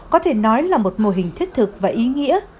có thể nói là một mô hình thiết thực và ý nghĩa